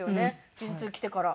陣痛来てから。